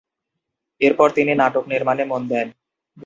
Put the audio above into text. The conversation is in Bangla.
এরপর তিনি নাটক নির্মাণে মন দেন।